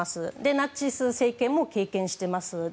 ナチス政権も経験してます。